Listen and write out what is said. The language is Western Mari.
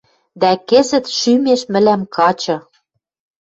Дӓ кӹзӹт шӱмеш мӹлӓм качы...